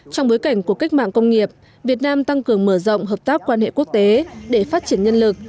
trong bối cảnh của cách mạng công nghiệp việt nam tăng cường mở rộng hợp tác quan hệ quốc tế để phát triển nhân lực